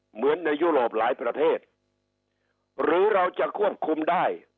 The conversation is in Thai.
เหมือนในยุโรปหลายประเทศหรือเราจะควบคุมได้